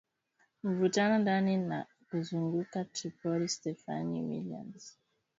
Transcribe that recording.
mvutano ndani na kuzunguka Tripoli Stephanie Williams